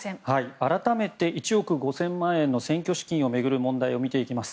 改めて１億５０００万円の選挙資金を巡る問題を見ていきます。